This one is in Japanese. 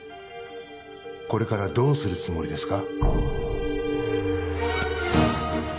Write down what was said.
これからどうするつもりですか？